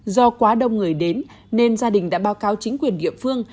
do quá đông người đến nên gia đình đã báo cáo chính quyền địa phương